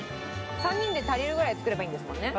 ３人で足りるぐらい作ればいいんですもんね。